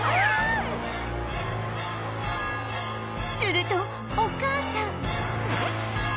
するとお母さん